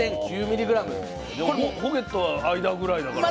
これホゲットは間ぐらいだから。